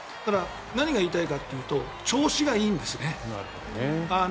何が言いたいかっていうと調子がいいんですよね。